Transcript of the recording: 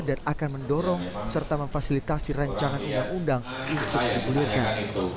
dan akan mendorong serta memfasilitasi rencana undang undang untuk dikulirkan